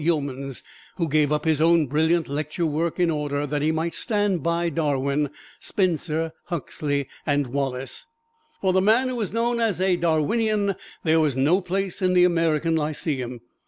Youmans, who gave up his own brilliant lecture work in order that he might stand by Darwin, Spencer, Huxley and Wallace. For the man who was known as "a Darwinian" there was no place in the American Lyceum.